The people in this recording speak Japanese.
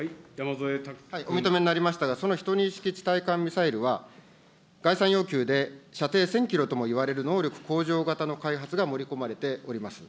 お認めになりましたが、その１２式地対艦ミサイルは、概算要求で、射程１０００キロともいわれる能力向上型の開発が盛り込まれております。